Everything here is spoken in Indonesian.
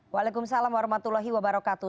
waalaikumsalam warahmatullahi wabarakatuh